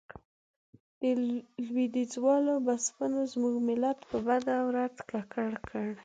د لوېديځوالو بسپنو زموږ ملت په بده ورځ ککړ کړ.